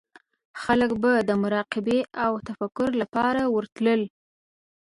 خلک به د مراقبې او تفکر لپاره ورتلل.